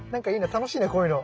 楽しいなこういうの。